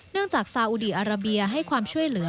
จากซาอุดีอาราเบียให้ความช่วยเหลือ